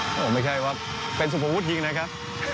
โอ้โหไม่ใช่ว่าเป็นสุภวุฒิยิงนะครับ